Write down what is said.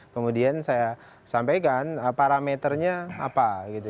kemudian saya sampaikan parameternya apa gitu